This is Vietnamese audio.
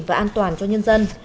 và an toàn cho nhân dân